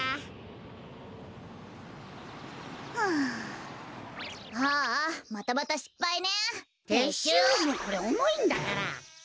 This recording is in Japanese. これおもいんだから。